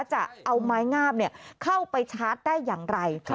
จะเอาไม้งามเข้าไปชาร์จได้อย่างไร